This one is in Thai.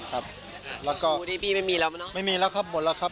แล้วก็ไม่มีแล้วครับหมดแล้วครับ